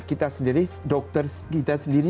kita sendiri dokter kita sendiri